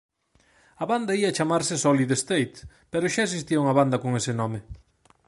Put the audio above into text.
A banda ía chamarse Solid State; pero xa existía unha banda con ese nome.